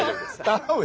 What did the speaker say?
頼むよ。